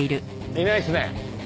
いないっすね。